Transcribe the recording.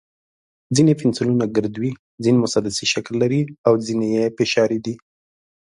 ځینې پنسلونه ګرد وي، ځینې مسدسي شکل لري، او ځینې یې فشاري دي.